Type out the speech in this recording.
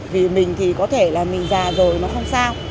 vì mình thì có thể là mình già rồi nó không sao